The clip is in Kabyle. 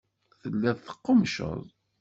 Telliḍ teqqummceḍ.